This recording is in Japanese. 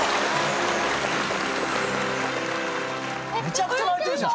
めちゃくちゃ泣いてるじゃん。